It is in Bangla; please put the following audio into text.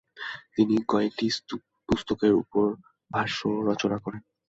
তিনি কয়েকটি পুস্তকের উপর ভাষ্য রচনা করেন।